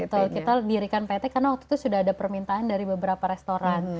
betul kita dirikan pt karena waktu itu sudah ada permintaan dari beberapa restoran